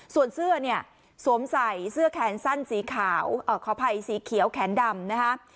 ส่วนเสื้อเนี่ยสวมใส่เสื้อแขนสั้นสีขาวขออภัยสีเขียวแขนดำนะคะ